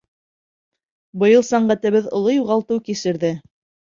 Быйыл сәнғәтебеҙ оло юғалтыу кисерҙе.